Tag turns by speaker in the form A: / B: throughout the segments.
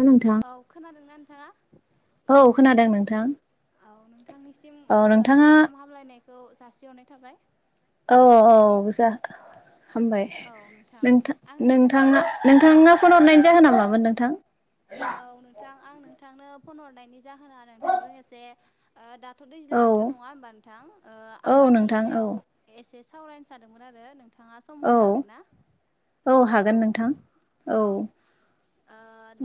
A: नोंथां
B: औ खोनादोंना नोंथाङा?
A: औ खोनादों नोंथां।
B: औ नोंथांनिसिम
A: औ
B: ओ
A: नोंथाङा
B: गाहाम हामलायनायखौ खौ जासिहरनाय थाबाय।
A: औ औ जा हामबाय
B: औ
A: नोंथां
B: आं नोंथांनो
A: नोंथाङा नोंथाङा फन हरनायनि जाहोना मामोन नोंथां?
B: औ नोंथां आं नोंथांनो फन हरनायनि जाहोना नोंथांजों एसे ओ दा दाथ' दैज्लां
A: औ
B: बोथोर नङा होमबा नोंथां
A: औ
B: आबादनि
A: नोंथां औ
B: सायाव एसे सावरायनो सानादोंमोन आरो नोंथाङा सम
A: औ
B: होनो हागोन ना औ
A: हागोन नोंथां
B: औ ओ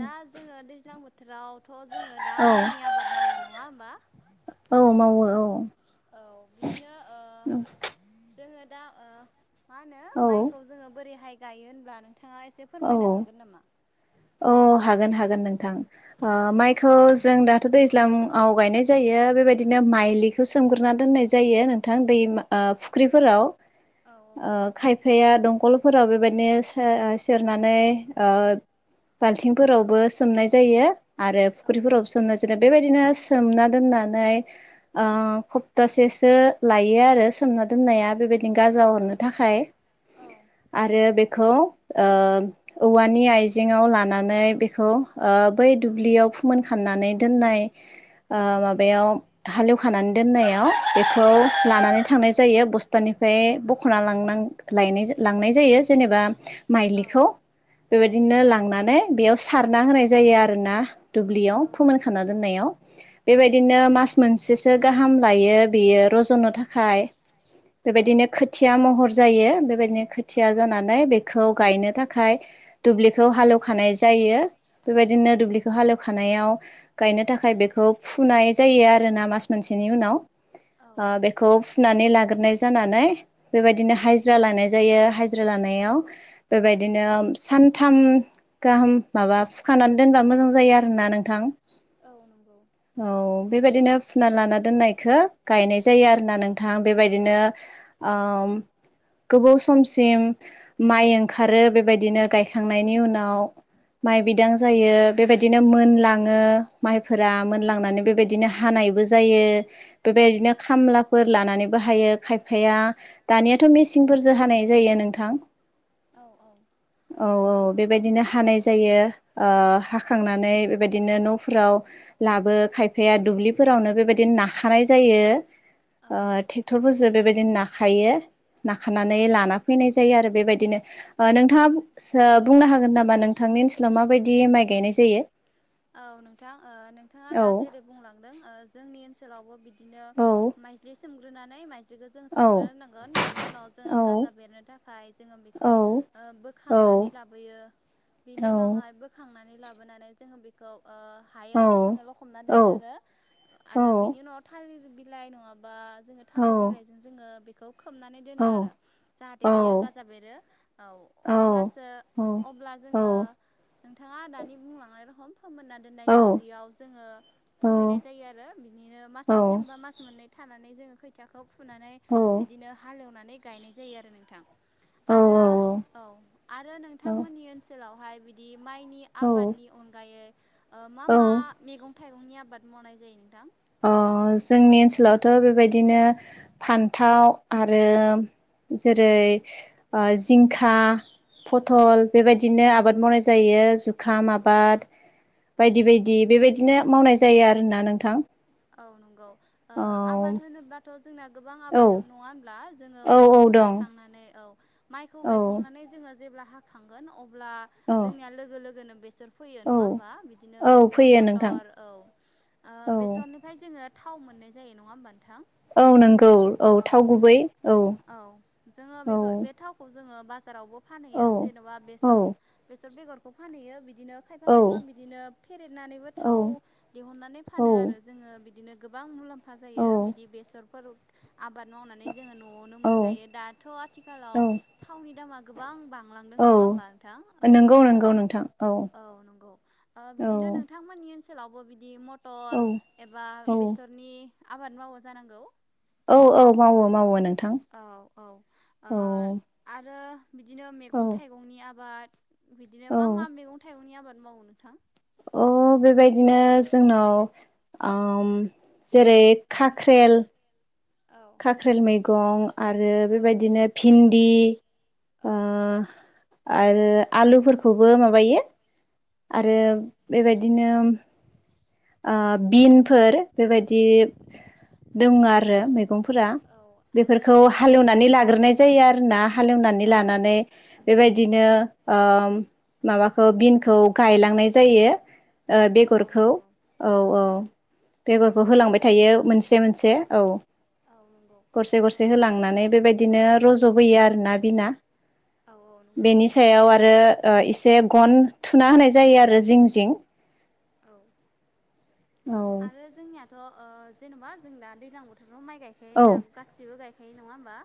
B: दा जोङो दैज्लां बोथोर राव थ' जोङो दा
A: औ
B: माइनि आबाद मावो नङा होमबा
A: औ मावो औ
B: औ बिदिनो ओ जोंङोथ दा ओ मा होनो माइखौ जोंङो बोरैहाय गायो होनब्लानो
A: औ औ औ हागोन हागोन नों थां ओ
B: औ
A: माइखौ जों दाथ' दैज ज्लामाव गायनाय जायो बेबायदिनो माइलिखौ सोमग्रोना दोननाय जायो नोंथां दैमा ओ फुख्रिफोराव
B: औ औ
A: ओ
B: नंगौ
A: खायफाया दंकल फोराव बेबायदिनो साया ओ सि सेरनानै ओ बाल्थिंफोरावबो सोमनाय जायो आरो
B: औ
A: फुख्रिफोरावबो सोननो जेनेब बेबायदिनो सोमना दोननानै ओ खप्तासेसो
B: औ
A: लायो आरो सोमना दोननाया बेबायदि गांजा अरनो थाखाय
B: जेनेबा
A: आरो बे खौ ओ औवानि आइजेेंआव लानानै बेखौ ओ बै दुब्लियाव फोमोन खामनानै दोननाय ओ माबायाव हालेवखानानै दोननायाव बेखौ लानानै थांनाय जायो बसतानिफाय बख'ना लांनां लायनाय लांनां जायो जेनेबा
B: औ
A: माइलिखौ
B: औ
A: बेबायदिनो लांनानै बेयाव सो सारना होनाय जायो आरोना दुब्लियाव फोमोनखाना दोननायाव
B: औ औ
A: बेबायदिनो मास मोनसेसो गाहाम लायो बेयो रज'नो थाखाय बेबायदिनो खोथिया महर जायो बेबायदिनो खोथिया जानानै बेग गायनो थाखाय दुब्लिखौ हालेवखानाय जायो बेबायदिनो दुब्लिखौ हालेवखानायाव गायनो थाखाय बेखौ फुनाय जायो आर रोना मास मोनसेनि उनाव
B: औ
A: ओ
B: औ
A: बेखौ फुनानै लाग्रोनाय जा जानानै बेबायदिनो हायज्रा लानाय जायो हायज्रा लानायाव बेबायदिनो सानथाम गाहाम माबा फुखानानै दोनबा मोजां जायो आरोना नोंथां
B: नंगौ
A: औ बेबायदिनो फुना लाना दोननायखो गायनाय जायो आरोना नोंथां बेबायदिनो ओम गोबाव समसिम माइ ओंखारो बेबायदिनो गायखांनायनि उनाव माइ बिदां
B: औ औ
A: जायो बेबायदिनो मोन लाङो माइफोरा मोनलांनानै बेबायदिनो हानायबो जायो बेबायदिनो खामलाफोर लानानै बाहायो खायफाया दानियाथ' मिसिंफोरजो हानाय जायो नोंथां औ औ बेबायदिनो हानाय जायो ओ हाखा खांनानै बेबायदिनो न'फोराव लाबो खायब हैया दुब्लिफोरावनो बेबायदिनो नाखानाय जायो ओ
B: औ
A: थेक्टरफोरजो बेबायदिनो नाख खायो नाखानानै लाना फैनाय जायो आरोब। बेबायदिनो नोंथाङा ओ बुंनो हागोन नामा नोंथांनि ओनसोलाव माबायदि माइ गायनाय
B: औ नोंथां ओ नोंथाङा
A: जायो
B: दा
A: औ
B: जेरै बुंलांदों ओ जोंनि ओनसोलावबो बिदिनो
A: औ
B: माइज्लि सोम ग्रोनानै माइज्लि बिदिखौ जों
A: औ
B: सोमग्रोनांगोन बेनि उनाव जोङो
A: औ
B: गाजा बेरनो थाखाय बेखौ
A: औ
B: ओ
A: औ
B: बोखांनानै लाबोयो बिनि उनावहाइ बोखां थांनानै लाबोनानै जोङो बेखौ ओ
A: औ
B: हायाव जोङो लखबना
A: औ
B: दोनो आरो आरो बेनि उनाव थालिर बिलाइ नङाबा जोङो
A: औ
B: थास' बिलाइजों जोङो बेखौ खोबनानै
A: औ
B: दोनो आरो जाहाथे
A: औ
B: बेयो बेेरो औ
A: औ
B: अब्लासो
A: औ
B: अब्ला
A: औ
B: जोङो नोंथाङा दानि बुंलांनाय रखम फोमोनना दोननाय दुब्लियाव जोङो फोहैनाय जायो आरो बिदिनो मास मोनसे एबा मास मोननै थानानै जोङो खैथिखौ फुनानै बिदिनो हालेवनानै नै गायनाय जायो आरो नोंथां। आरो औ आरो नोंथांमोननि ओनसोलाव ओमफ्राय बिदि माइनि
A: औ
B: आबादनि अनगायै। मा
A: औ
B: मा
A: औ
B: मेगं थाइगंनि आबाद मावनाय जायो नोंथां
A: अ जोंनि ओनसोलावथ' बेबायदिनो फान्थाव आरो जेरै जिंखा
B: औ
A: फथल बेबायदिनो आबाद मावनाय जायो जुखाम आबाद बायदि बायदि बेबायदिनो मावनाय जायो आरोना नोंथां
B: औ नंगौ ओ
A: औ
B: आबाद होनोबाथ' जोंना गोबां
A: औ
B: आबाद दं नङा होनब्ला जोङो
A: औ औ
B: माइखौ
A: दं
B: गायखांनानै औ माइखौ
A: औ
B: गायखांनानै जोङो जेब्ला हाखांगोन अ अब्ला
A: औ
B: जोंनिया लोगो लोगोनो। बेसोर फैयो
A: औ
B: नङा होमबा बिदिनो
A: औ
B: बेसर
A: फैयो नोंथां
B: मथर औ
A: औ
B: बेसरनि जोङो थाव मोननाय जायो नङा होनबा?
A: औ नंगौ औ थाव गुबै औ
B: [inaudible]
A: औ
B: बाजारावबो [inaudible]
A: औ औ
B: [inaudible] बिदिनो खायफा
A: औ
B: खायफा बिदिनो फेरेेदनानैबो थाव दिहुननानै फानो
A: औ
B: आरो जोङो बिदिनो गोबां मुलाम फाजायो बिदि बेसरफोर आबाद मावनानै जोङो न'आवनो मोनजायो दाथ' आथिखालाव
A: औ
B: थावनि दामा गोबां बां बांलांदों
A: औ
B: नङा होमबा नोंथां औ
A: नंगौ नंगौ नोंथां
B: औ नंगौ ओ
A: औ
B: बिदिनो नोंथांमोननि ओनसो [inaudible]
A: औ
B: एबा
A: औ
B: बेसरनि आबाद मावो जानांगौ
A: औ औ मावो मावो नों
B: औ औ ओ आरो बिदिनो
A: औ
B: मेगं थाइगंनि आबाद बिदिनो
A: औ
B: मा मा मेगं थाइगंनि आबाद मावो नोंथां
A: अ बेबायदिनो जोंनाव ओम जेरै खाख्रेल
B: औ
A: खाख्रेल मैगं आरो
B: औ
A: बेबायदिनो भिन्दि ओ
B: औ
A: आरो आलुफोरखौबो माबायो आरो
B: औ
A: बेबायदि [unintelligible] ओ
B: औ
A: बिन फोर बेबायाददि दङ आ आरो मैगंफोरा
B: औ आरो
A: बेफोरखौ
B: बिदि
A: हालेवनानै लागोरनाय जायो आरोना हालेवनानै
B: औ
A: लानानै बेबायदिनो ओ माबाखौ बिनखौ गायलांनाय जायो ओ
B: औ
A: बेगरखौ
B: नंगौ
A: औ औ बेगरखौ
B: आरो
A: होलांबाय थायो मोनसे मोनसे से औ
B: औ नंगौ
A: गरसे
B: ओ
A: गरसे
B: आरो
A: होलांनानै बेबायदिनो रज'बोयो आरो [unintelligible] बिना
B: औ औ नंगौ
A: बेनि
B: नोंथां।
A: सायाव आरो ओ इसे गन थुना होनाय जायो आरो जिं जिं
B: औ
A: औ
B: आरो जोंनिया थ ओ जेनेबा जों दैज्लां बोथोर माइ गायखायो
A: औ
B: होनना गासिबो गायखायो खायो नङा होमबा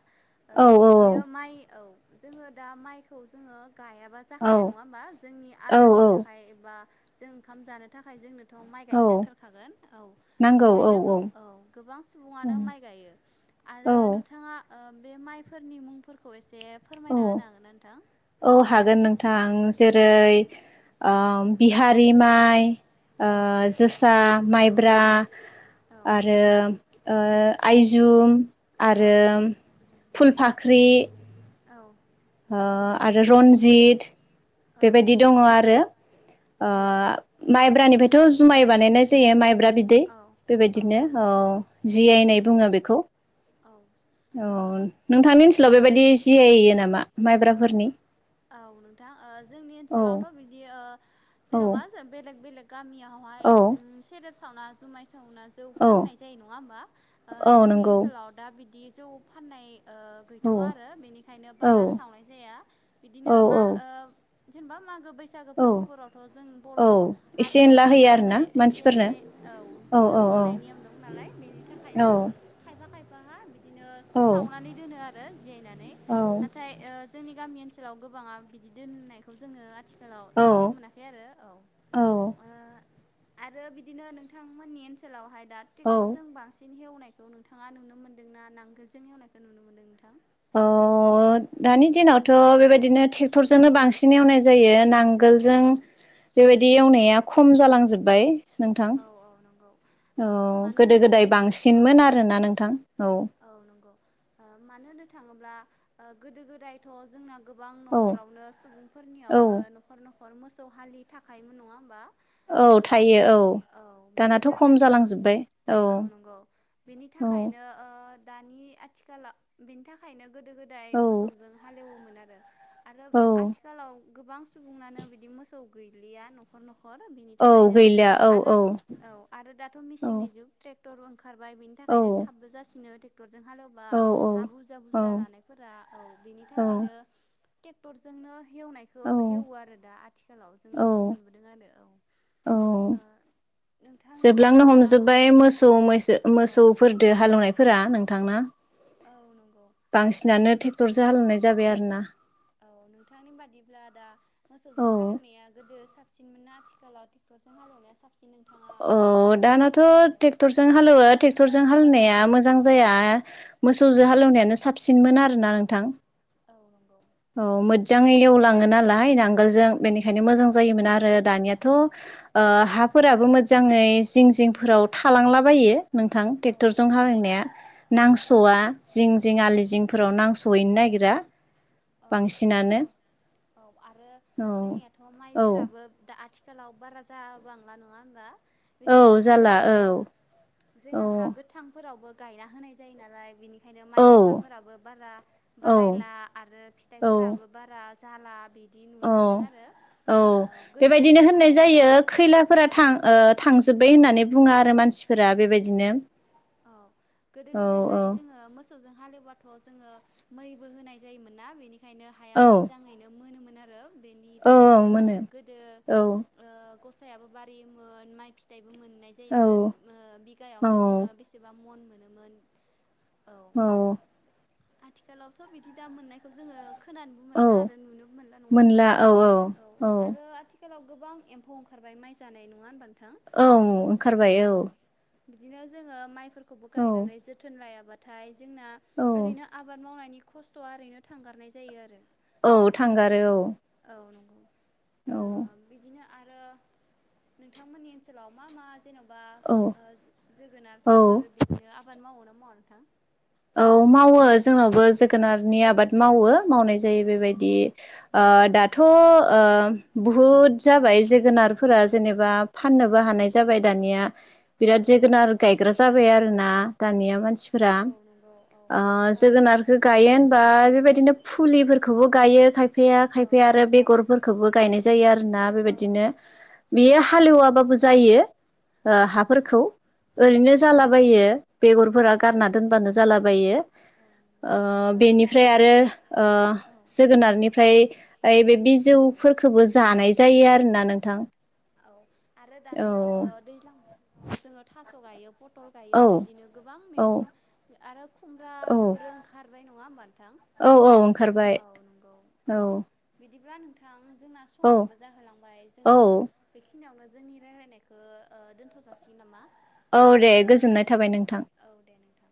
B: ओ
A: औ
B: बिदिनो माइ औ जोङो दा माइखौ जोङो गायाबा
A: औ
B: जाखाया नङा होमबा जोंनि
A: औ
B: आदारनि
A: औ
B: थाखाय बा जों ओंखाम जानो थाखाय जोंनो थ माइ
A: औ
B: गायनो नांथारखागोन औ
A: नांगौ औ
B: बेनिखायनो औ गोबां सुबुङानो माइ गायो आरो
A: औ
B: नोंथाङा ओ बे माइफोरनि मुंफोरखौ एसे फोरमायना
A: औ
B: होनो हागोन ना नोंथां?
A: औ हागोन नोंथां आं जेरै ओम बिहारि माइ ओ
B: औ
A: जोसा माइब्रा
B: औ
A: आरो ओ आइजुम
B: औ
A: आरो फुल फाख्रि
B: औ
A: ओ आरो रन्जित
B: औ
A: बेबायदि दङ आरो ओ
B: औ
A: माइब्रानिफ्राय थ जुमाय
B: माइब्रानिफ्रायथ'
A: बानायनाय जायो माइब्रा बिदै
B: औ औ
A: बेबायदिनो
B: औ
A: अ
B: नंगौ
A: जिआयनाय बुङो बेखौ
B: औ
A: औ
B: ओ
A: नोंथांनि फोरनि
B: औ नोंथां ओ जोंनि ओनसोलावथ बिदि ओ
A: औ
B: जेनबा बेलेग बेलेग गामियावहाय
A: औ
B: ओम सेरेब सावना जुमाय सावनाय जौ
A: औ
B: फाननाय जायो नङा होमबा
A: औ
B: जोंनि
A: नंगौ
B: ओनसोलाव दा बि दि जौ फाननाय ओ
A: औ
B: गैथवा आरो बेनिखायनो
A: औ
B: बारा सावनाय जाया।
A: औ
B: बिदिनो माग ओ जेनेबा मागो बैसागो
A: औ
B: फोरबोफोरावथ' जों बर'
A: औ एसे
B: हारिया
A: एनला
B: जौ
A: होयो आरोना
B: लोंनाय एसे
A: मानसिफोरनो
B: एनै औ जौ
A: औ औ
B: लोंनाय नियम दं नालाय बेनि
A: औ
B: थाखायनो खायफा खायफा बिदिनो
A: औ
B: सावनानै दोनो आरो आरो [inaudible] जियायनानै नाथाय जोंनि गामियानो [inaudible] आथिखालाव गोबाङा बिदि दोन्नायखौ जोङो आथिखाल लाव
A: औ
B: नुनो मोनाखै आरो औ
A: औ
B: ओ आरो बिदिनो नोंथांमोननि ओनसोलावहाय दा
A: औ
B: ट्रेक्टरजों बांसिन बेन एवनायखौ नोंथाङा नुनो मोनदोंनाा नांगोलजों एवनायखौ नुनो मोन्दों नोंथां
A: अ दानि दिनावथ' बेबायदिनो ट्रेक्टरजोंनो बांसिन एवनाय जायो नांगोलजों
B: औ
A: बेबायदि बेे एवनाया खम जालांजोबबाय नोंथां
B: औ औ नंगौ ओ
A: औ
B: मानो
A: गोदो
B: होनो
A: गोदाय
B: थाङो औ
A: बांसिनमोन आरोना नोंथां औ
B: ओ मानो होननो थाङोब्ला ओ गोदो गोदायथ' जोंना गोबां
A: औ
B: न'खरावनो सुबुंफोरनियाव
A: औ
B: ओ न'खर न'खर हर मोसौ हालि थाखायमोन नङा होमबा
A: औ
B: औ बेनि
A: दानाथ' खम
B: थाखायनो
A: जालांजोब्बाय
B: औ नंगौ बेनि
A: औ
B: थाखायनो [inaudible] दानि आथिखालाव बेनि थाखायनो गोदो गोदाय
A: औ
B: मोसौजों हालेव मोन आरो आरो
A: औ
B: आथिखालाव गोबां सुबुनानो बिदि मोसौ गैलिया न'खर न'खर हर बिनि
A: औ
B: थाखायनो
A: गैला औ औ
B: औ आरो दाथ'
A: औ
B: मिसिननि जुग [inaudible] ओंखारबाय बेनि
A: औ
B: थाखायनो थाबबो जासिनो। जों हालेवा
A: औ
B: हा बुरजा
A: औ
B: बुरजा लानायफोरा औ बेनि थाखायनो ट्रेक्टरजोंनो हेवनायखौ
A: औ
B: हेवो आरो दा आथिखालाव जों नुनो मोनबोदों आरो औ ओ नोंथांनि
A: जोबलांनो
B: बादिब्ला
A: हमजोब्बाय मोसौसो
B: औ
A: मोसौफोरदो हालेवनायफोरा नों थांना
B: नंगौ औ
A: ट्रेक्टरसो हालेवनाय जाबाय आरोना
B: नोंथांनि बादिब्ला दा
A: औ
B: मोसौजों हालेवनाया गोदो सा साबसिन मोन आथिखालाव ट्रेक्टरजों हालवनाया साबसिन नोंथाङा
A: अ
B: माखौ
A: दानाथ'
B: साबसिन मोनदों?
A: ट्रेक्टरजों हालेवो ट्रेक्टरजों हालेनाया मोजां मोजां जाया
B: औ
A: मोसौजो हालौवनायानो साबसिनमोन आरोना थां
B: औ नंगौ
A: मोजाङै लवलाङो नालाय नांगोलजों बेनिखायनो मोजां जायोमोन आरो दानियाथ' ओ हां फोराबो फोराबो मोजां मोजाङै जिं जिंफोराव थालांलाबायो नोंथां
B: औ
A: ट्रेक्टरजों हालायनाया
B: औ
A: नांस'वा जिं जिं आलि जिं फोराव नांसहैनो नागिरा।
B: औ औ
A: बांसिनानो
B: औ आरो
A: औ
B: जोंनियाथ' माइफोराबो दा आथिखा आथिखालाव बारा जाबांला नङा होनोमबा?
A: औ
B: बिदिनो
A: जाला
B: हालेव औ
A: औ
B: जोङो हा गोथांफोरावबो गायना होनाय जायो नालाय बिनि आरो माइ
A: औ
B: गसाफोराबो बारा
A: औ
B: बारायला
A: औ
B: फिथाइफोराबो बारा जाला बि
A: औ औ
B: गोदो
A: बेबायदिनो
B: गोदायहाय
A: होननाय जायो खैलाफोरा
B: औ
A: थां थांजोब्बाय होननानै बुङा आरो मानसिफोरा बेबायदिनो।
B: औ गोदो
A: औ औ
B: गोदायहाय जोङो मोसौजों हालेवबाथ' जोङो मैबो होनाय जायोमोन ना बेनि ओंखायनो हाया
A: औ
B: मोजाङैनो मोनोमोन। आरो बेनि
A: औ
B: थाखायनो
A: मोनो
B: गोदो
A: औ
B: ओ गसायाबो बारयोमोन माइ फिथाइ मोननाय
A: औ
B: ओ
A: औ
B: बिघायावनो जोङो बेस मन मोनोमोन।
A: औ
B: आथिखालावथ' बिदि दा मोननायखौ जोङो खोनानोबो
A: औ
B: मोनला आरो नुनोबो मोनला नङा होमबा औ
A: औ
B: आरो आथिखाल आथिखालावबां एम्फौ ओंखारबाय माइ जानाय नङा होनबानो
A: औ' ओंखारबाय औ'।
B: बिदिनो जोङो माइफोरखौ खौबो
A: औ
B: गायनानै जोथोन लाय आबाद‌। नाथाय जोंना।
A: औ
B: ओरैनो आबाद मावनायनि। खस्थ'आ ओरैनो थांगारनाय जायो आरो।
A: औ थांगारो औ।
B: औ नंगौ। ओ
A: औ
B: बिदिनो आरो नोंथांमोननि ओनसोलाव मा मा जेन'बा
A: औ
B: बा
A: औ
B: जोगोनारफोर बिदिनो आबाद मावोना मावा नोथां!
A: औ मावो जोंनावबो जोगोनारनि आबाद मावो मावनाय जायो बेबायदि
B: औ
A: दाथ' बहुद जाबाय जोगोनारफोरा जेनेबा फाननोबो हानाय जाबाय दानिया
B: औ
A: बिराद जोगोनार गायग्रा जाबाय आरो ना। दानिया। मानसिफोरा
B: औ नंगौ औ ओ औ
A: जोगोनारखौ गायो होमबा बेबायदि बिदिनो फुलिफोरखौबो गायो खाय खायफाया
B: औ
A: खायफाया आरो बेगरफोरखौबो गायनाय ज जायो आरो ना
B: आ
A: बेबायदिनो बियो
B: औ नंगौ
A: हालौवाबाबो जायो हाफोरखौ ओरैनो जालाबायो बेगरफोरा गारना दोनबानो जालाबायो।
B: ओ दाथ'
A: बेनिफ्राय
B: औ
A: आरो जोगोनारनिफ्राय हाइ बे बिजौफोरखौबो जानाय जायो आरोना नोंथां
B: आरो दाथ'
A: औ।
B: ओ दैज्लां जोङो थास' गायो फटल गायो
A: औ
B: बिदिनो गोबां
A: औ
B: मैगं आरो। बा
A: औ
B: बेफोरो ओंखार नङा होमबा। नोंथां
A: औ औ ओंखारबाय
B: औ नंगौ ओ
A: औ।
B: बिदिब्ला नोंथां। जोंना
A: औ
B: समाबो जाहोलांबाय
A: औ
B: जोङो बेखिनियावनो जोंनि राय्लायनायखौ दोन्थ' जासिगोन नामा।
A: औ दे गोजोननाय थाबाय नोंथां
B: औ दे नोंथां।